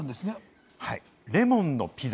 レモンのピザ。